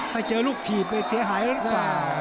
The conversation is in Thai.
ไปเจอลูกถีบเลยเสียหายหรือเปล่า